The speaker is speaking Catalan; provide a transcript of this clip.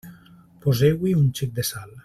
Poseu-hi un xic de sal.